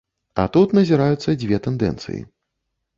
А тут назіраюцца дзве тэндэнцыі.